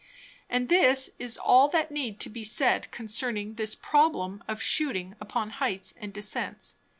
And this is all that need to be said concerning this Problem of shooting upon Heights and Descents.